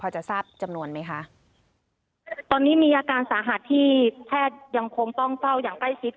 พอจะทราบจำนวนไหมคะตอนนี้มีอาการสาหัสที่แพทย์ยังคงต้องเฝ้าอย่างใกล้ชิด